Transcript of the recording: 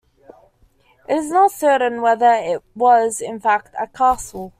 It is not certain whether it was in fact a castle.